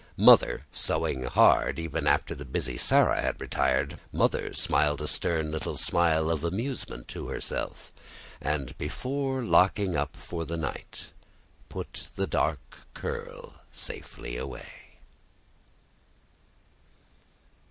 Mother sewing hard after even the busy Sarah had retired Mother smiled a stern little smile of amusement to herself; and before locking up for the night put the dark curl safely away.